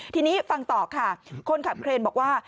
ทีนี้ฟังต่อค่ะคนขับเครนบอกว่า